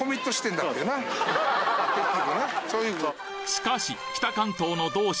しかし北関東の同士